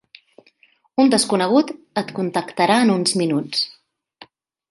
Un desconegut et contactarà en uns minuts.